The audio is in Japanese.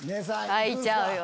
書いちゃうよ。